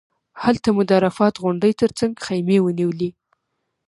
هلته مو د عرفات غونډۍ تر څنګ خیمې ونیولې.